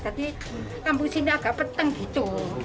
tadi kampus ini agak petang gitu